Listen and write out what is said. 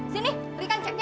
sini berikan ceknya